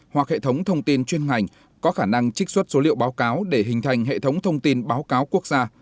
hoặc hệ thống thông tin chuyên ngành có khả năng trích xuất số liệu báo cáo để hình thành hệ thống thông tin báo cáo quốc gia